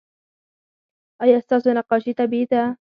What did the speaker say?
ایا ستاسو نقاشي طبیعي ده؟